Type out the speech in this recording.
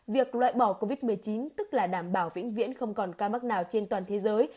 việc loại bỏ covid một mươi chín tức là đảm bảo vĩnh viễn không còn ca mắc nào trên toàn thế giới